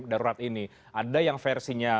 darurat ini ada yang versinya